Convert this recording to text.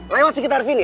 lewat sekitar sini